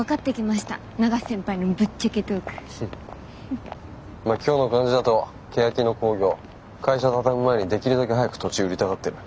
まっ今日の感じだとけやき野興業会社畳む前にできるだけ早く土地売りたがってる。